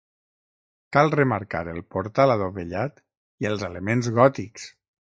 Cal remarcar el portal adovellat i els elements gòtics.